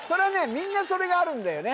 みんなそれがあるんだよね